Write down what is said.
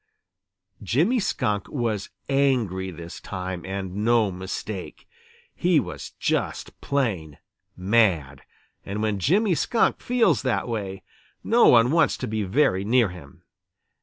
Jimmy Skunk was angry this time and no mistake. He was just plain mad, and when Jimmy Skunk feels that way, no one wants to be very near him.